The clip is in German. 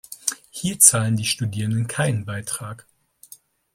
Hier zahlen die Studierenden keinen Beitrag.